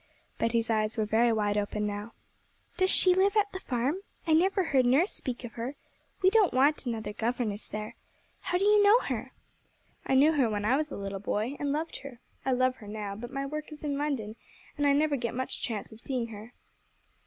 Betty's eyes were very wide open now. 'Does she live at the farm? I never heard nurse speak of her. We don't want another governess there. How do you know her?' 'I knew her when I was a little boy, and loved her. I love her now, but my work is in London, and I never get much chance of seeing her.'